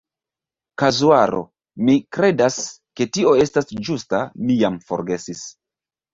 "Kazuaro". Mi kredas, ke tio estas ĝusta, mi jam forgesis.